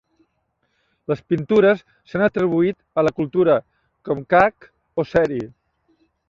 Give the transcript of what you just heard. Les pintures s'han atribuït a la cultura Comca'ac o Seri.